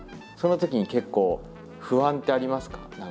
そのときに結構不安ってありますか？